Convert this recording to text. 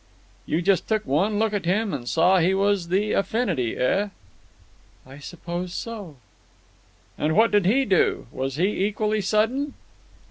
"You just took one look at him and saw he was the affinity, eh?" "I suppose so." "And what did he do? Was he equally sudden?"